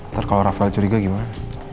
ntar kalau rafael curiga gimana